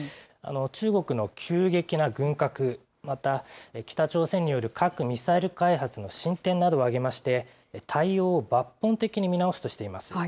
中国の急激な軍拡、また北朝鮮による核・ミサイル開発の進展などを挙げまして、対応を抜本的に見直すとしています。